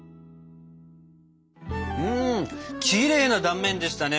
きれいな断面でしたね